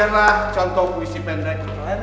sebegitulah contoh puisi pendek